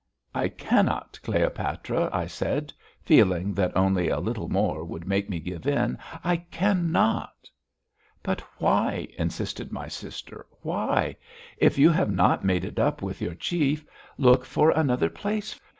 "I cannot, Cleopatra," I said, feeling that only a little more would make me give in. "I cannot." "Why?" insisted my sister, "why? If you have not made it up with your chief, look for another place.